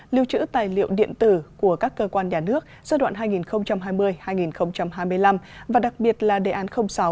lưu trữ tài liệu điện tử của các cơ quan nhà nước giai đoạn hai nghìn hai mươi hai nghìn hai mươi năm và đặc biệt là đề án sáu